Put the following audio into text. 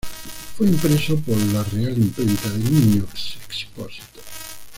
Fue impreso por la Real Imprenta de Niños Expósitos.